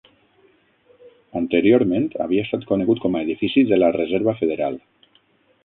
Anteriorment havia estat conegut com a edifici de la Reserva Federal.